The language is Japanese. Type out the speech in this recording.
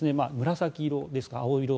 紫色ですか、青色。